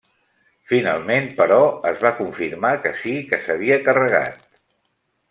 Finalment però, es va confirmar que sí que s'havia carregat.